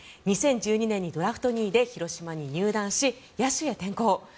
２０１２年にドラフト２位で広島に入団し野手へ転向。